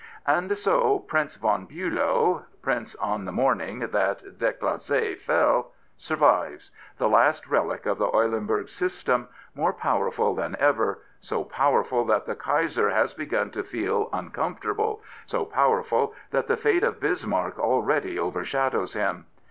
And so Prince von Biilow — Prince on the morning that Delcass6 fell — survives, the last relic of the 176 Prince Biilow Eulenburg system, more powerful than ever, so powerful that the Kaiser has begun to feel uncomfort able, so powerful that the fate of Bismarck already overshadows him.